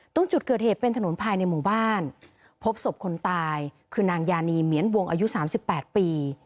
ตรงจุดเกิดเหตุเป็นถนนภายในหมู่บ้านพบศพคนตายคือนางยานีเหมียนวงอายุ๓๘ปี